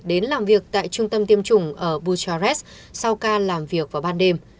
đến làm việc tại trung tâm tiêm chủng ở bucharest sau ca làm việc vào ban đêm